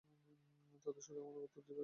তাতে শুধু বারবার উত্তর দেবার অনুরোধই ছিল।